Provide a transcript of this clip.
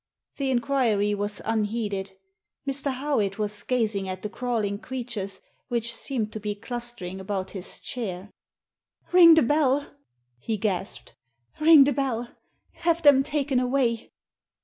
' The inquiry was unheeded. Mr. Howitt was gazing at the crawling creatures which seemed to be cluster ing about his chair. "Ring the bell!" he gasped. "Ring the bell! Have them taken away!"